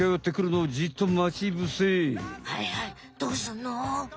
はいはいどうすんの？